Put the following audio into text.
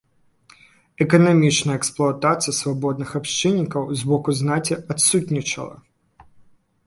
Эканамічная эксплуатацыя свабодных абшчыннікаў з боку знаці адсутнічала.